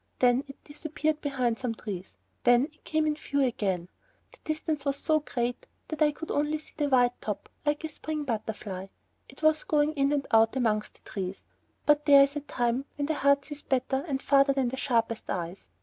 Then it disappeared behind some trees, then it came in view again. The distance was so great that I could only see a white top, like a spring butterfly. It was going in and out amongst the trees. But there is a time when the heart sees better and farther than the sharpest eyes.